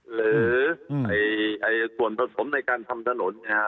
หรือส่วนผสมในการทำถนน